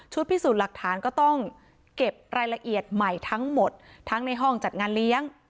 พิสูจน์หลักฐานก็ต้องเก็บรายละเอียดใหม่ทั้งหมดทั้งในห้องจัดงานเลี้ยง